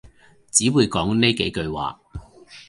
只會講呢幾句話